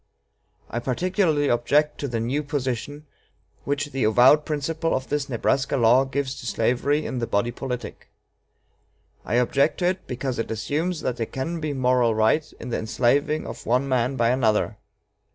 I particularly object to the new position which the avowed principle of this Nebraska law gives to slavery in the body politic. I object to it because it assumes that there can be moral right in the enslaving of one man by another.